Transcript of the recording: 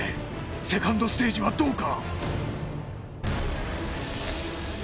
セカンドステージはどうか？